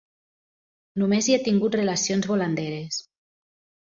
Només hi he tingut relacions volanderes.